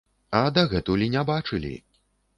А дагэтуль і не бачылі!